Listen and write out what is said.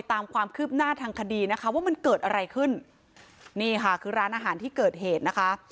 ตามความคืบหน้าทางคดีนะคะว่ามันเกิดอะไรขึ้นนี่ค่ะคือร้านอาหารที่เกิดเหตุนะคะ